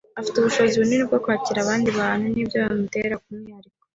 Afite ubushobozi bunini bwo kwakira abandi bantu. Nibyo bimutera umwihariko.